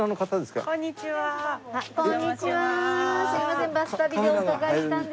すいません